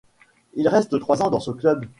Il reste trois ans dans ce club.